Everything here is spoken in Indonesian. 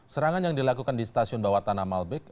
serangan yang dilakukan di stasiun bawah tanah malbek